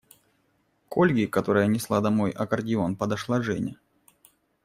К Ольге, которая несла домой аккордеон, подошла Женя.